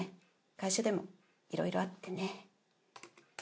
会社でもいろいろあってね。